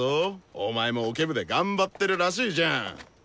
お前もオケ部で頑張ってるらしいじゃん。